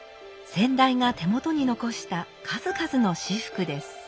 先代が手元に残した数々の仕覆です。